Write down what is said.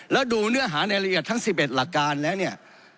แล้วดูเนื้อหาในละเอียดทั้ง๑๑หลักการแล้วเนี่ย